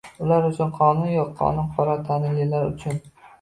Ular uchun qonun yo'q, qonun qora tanlilar uchun